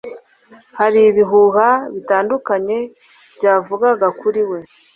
Hari ibihuha bitandukanye byavugaga kuri we